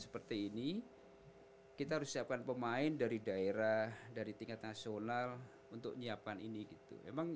seperti ini kita harus siapkan pemain dari daerah dari tingkat nasional untuk nyiapan ini gitu emang